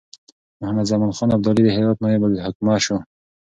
محمدزمان خان ابدالي د هرات نایب الحکومه شو.